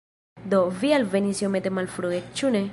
Do, vi alvenis iomete malfrue, ĉu ne?